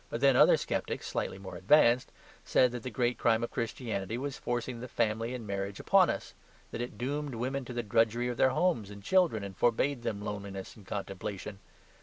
But, then, other sceptics (slightly more advanced) said that the great crime of Christianity was forcing the family and marriage upon us; that it doomed women to the drudgery of their homes and children, and forbade them loneliness and contemplation.